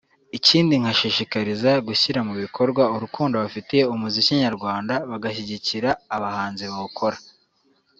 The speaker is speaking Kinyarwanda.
ikindi nkabashishikariza gushyira mu bikorwa urukundo bafitiye umuzikinyarwanda bagashyigikiira abahanzi bawukora